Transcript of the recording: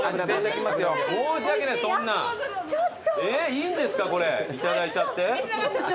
いいんですかこれいただいちゃって。